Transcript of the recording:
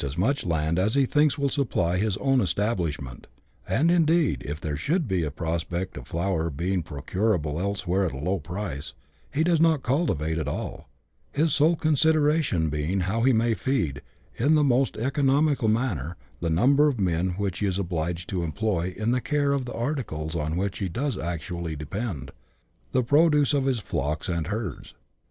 as much land as he thinks will supply his own establishment ; and, indeed, if there should be a prospect of flour being pro curable elsewhere at a low price, he does not cultivate at all, his sole consideration being how he may feed, in the most econo mical manner, the number of men which he is obliged to employ in the care of the articles on which he does actually depend — the produce of his flocks and herds.